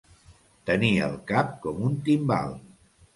Tenir el cap com un timbal.